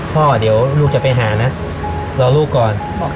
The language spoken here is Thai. พ่อเดี๋ยวลูกจะไปหานะรอลูกก่อน